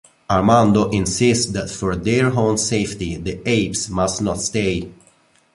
Armando insists that for their own safety the apes must not stay.